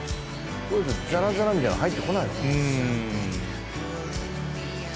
こういうのザラザラみたいなの入ってこないの？